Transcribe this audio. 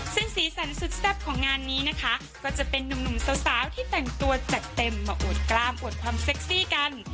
ซึ่งสีสันสุดแซ่บของงานนี้นะคะก็จะเป็นนุ่มสาวที่แต่งตัวจัดเต็มมาอวดกล้ามอวดความเซ็กซี่กัน